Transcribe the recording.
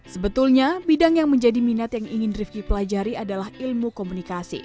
sebetulnya bidang yang menjadi minat yang ingin rifki pelajari adalah ilmu komunikasi